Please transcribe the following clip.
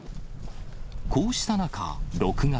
こうした中、６月、